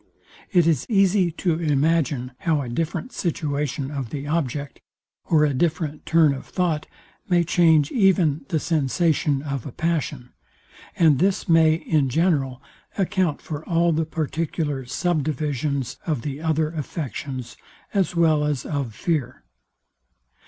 It is easy to imagine how a different situation of the object, or a different turn of thought, may change even the sensation of a passion; and this may in general account for all the particular sub divisions of the other affections, as well as of fear.